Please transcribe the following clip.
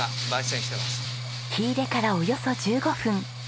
火入れからおよそ１５分。